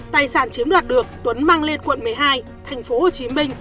tài sản chiếm đoạt được tuấn mang lên quận một mươi hai tp hcm